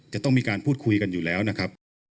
จะต้องมีการพูดคุยกันอยู่แล้วนะครับ